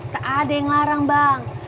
tak ada yang larang bang